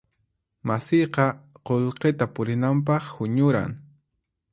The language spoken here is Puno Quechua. Masiyqa qullqita purinanpaq huñuran.